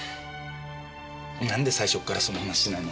なんで最初からその話しないの？